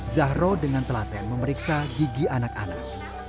zahro dengan telaten memeriksa gigi anak anak